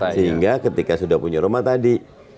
sehingga ketika sudah punya rumah tadi